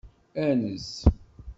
Anez.